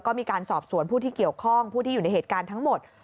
ก็มีการสอบสวนผู้ที่เกี่ยวข้องผู้ที่อยู่ในเหตุการณ์ทั้งหมด